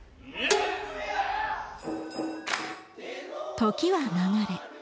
時は流れ